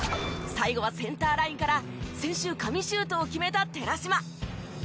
最後はセンターラインから先週神シュートを決めた寺嶋。